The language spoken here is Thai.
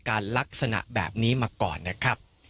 ลักษณะแบบนี้มาก่อนนะครับ